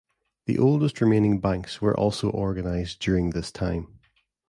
The oldest remaining banks were also organized during this time.